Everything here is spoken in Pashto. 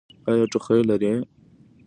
ایا ټوخی لرئ؟